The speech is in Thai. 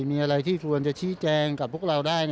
มีอะไรที่ควรจะชี้แจงกับพวกเราได้